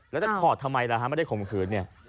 แล้วถอดทำไมล่ะคะไม่ได้คมคืน